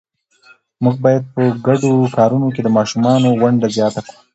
موږ باید په ګډو کارونو کې د ماشومانو ونډه زیات کړو